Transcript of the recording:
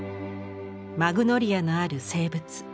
「マグノリアのある静物」。